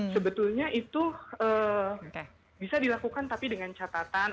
sebetulnya itu bisa dilakukan tapi dengan catatan